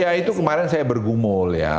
ya itu kemarin saya bergumul ya